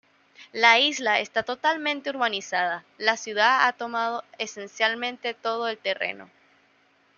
La isla está totalmente urbanizada, la ciudad ha tomado esencialmente todo el terreno.